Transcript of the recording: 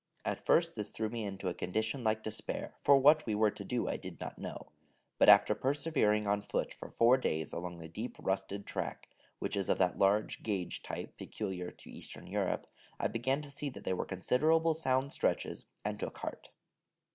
At first this threw me into a condition like despair, for what we were to do I did not know: but after persevering on foot for four days along the deep rusted track, which is of that large gauge type peculiar to Eastern Europe, I began to see that there were considerable sound stretches, and took heart.